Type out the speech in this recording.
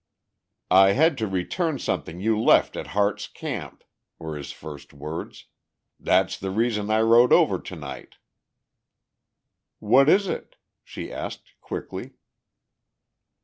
"I had to return something you left at Harte's Camp," were his first words. "That's the reason I rode over tonight." "What is it?" she asked quickly.